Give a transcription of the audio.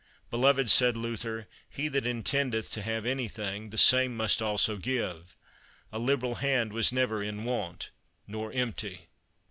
Beloved, said Luther, he that intendeth to have anything, the same must also give; a liberal hand was never in want nor empty.